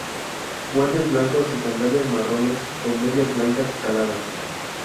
Guantes blancos y sandalias marrones con medias blancas caladas.